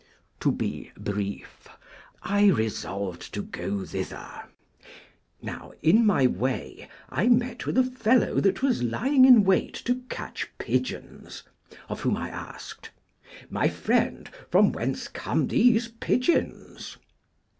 To be brief, I resolved to go thither. Now, in my way, I met with a fellow that was lying in wait to catch pigeons, of whom I asked, My friend, from whence come these pigeons?